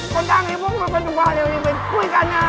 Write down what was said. คนดังนี่พวกมันเป็นสมบัตินี่พวกมันคุยกันนะ